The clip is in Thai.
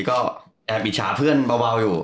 ก็แอบอิจฉาเพื่อนเบาอยู่